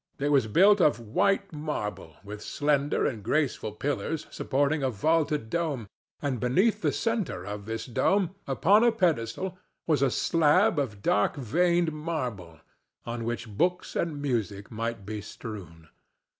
It was built of white marble, with slender and graceful pillars supporting a vaulted dome, and beneath the centre of this dome, upon a pedestal, was a slab of dark veined marble on which books and music might be strewn.